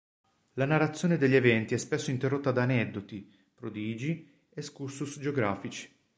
La narrazione degli eventi è spesso interrotta da aneddoti, prodigi, excursus geografici.